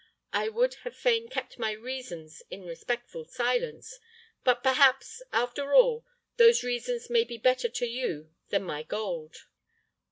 I would have fain kept my reasons in respectful silence; but perhaps, after all, those reasons may be better to you than my gold."